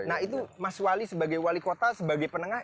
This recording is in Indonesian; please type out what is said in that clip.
nah itu mas wali sebagai wali kota sebagai penengah